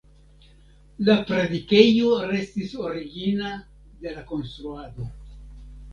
La predikejo restis origina de la konstruado.